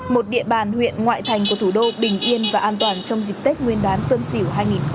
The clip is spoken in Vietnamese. một địa bàn huyện ngoại thành của thủ đô bình yên và an toàn trong dịp tết nguyên đán tân sỉu hai nghìn hai mươi một